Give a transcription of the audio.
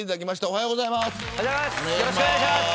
おはようございます。